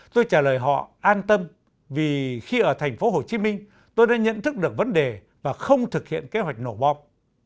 tôi trả lời họ an tâm vì khi ở thành phố hồ chí minh tôi đã nhận thức được vấn đề và không thực hiện kế hoạch nổ bom